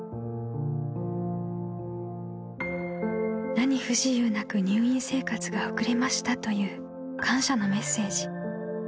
［何不自由なく入院生活が送れましたという感謝のメッセージ］